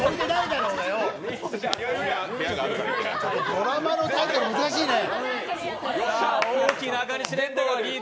ドラマのタイトル難しいね。